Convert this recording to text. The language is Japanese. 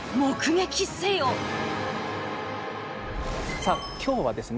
さあ今日はですね